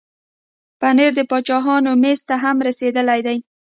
پنېر د باچاهانو مېز ته هم رسېدلی دی.